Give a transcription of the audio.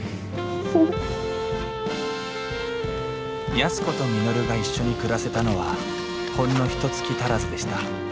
安子と稔が一緒に暮らせたのはほんのひとつき足らずでした。